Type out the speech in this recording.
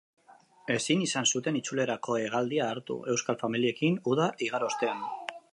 Ezin izan zuten itzulerako hegaldia hartu, euskal familiekin uda igaro ostean.